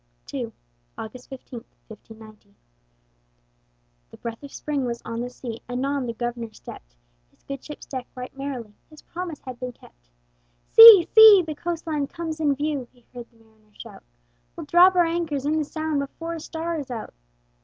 II [August 15, 1590] The breath of spring was on the sea; Anon the Governor stepped His good ship's deck right merrily, His promise had been kept. "See, see! the coast line comes in view!" He heard the mariners shout, "We'll drop our anchors in the Sound Before a star is out!"